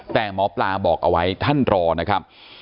แต่หมอปลาบอกเอาไว้ท่านรอนะครับ